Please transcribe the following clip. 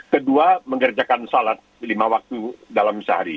kedua mengerjakan salat lima waktu dalam sehari